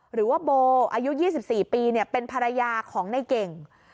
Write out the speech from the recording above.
หรือว่าโบอายุยี่สิบสี่ปีเนี่ยเป็นภรรยาของในเก่ง